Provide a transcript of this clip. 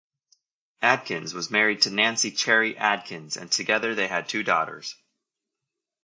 Adkins was married to Nanci Cherry Adkins and together they had two daughters.